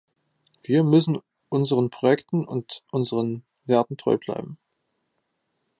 Wir müssen unseren Projekten und unseren Werten treu bleiben.